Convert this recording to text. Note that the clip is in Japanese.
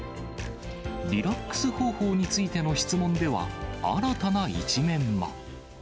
リラックス方法についての質問では、新たな一面も。